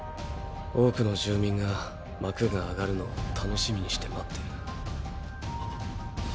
多くの住民が幕が上がるのを楽しみにして待っている。！